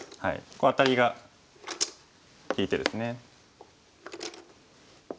アタリが利いてですね。